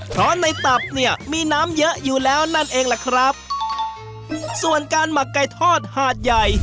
เพราะในตับเนี่ยมีน้ำเยอะอยู่แล้วนั่นเองล่ะครับส่วนการหมักไก่ทอดหาดใหญ่